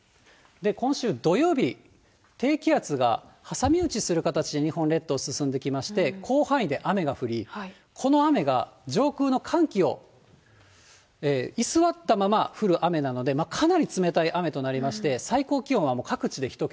今週土曜日、低気圧が挟み撃ちする形で日本列島進んできまして、広範囲で雨が降り、この雨が、上空の寒気を居座ったまま降る雨なので、かなり冷たい雨となりまして、最高気温はもう各地で１桁。